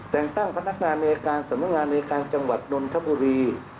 แต่งตั้งพนักงานในการสำนักงานในการจังหวัดนนทบุรี